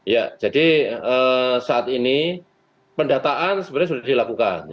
ya jadi saat ini pendataan sebenarnya sudah dilakukan